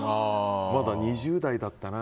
まだ２０代だったな。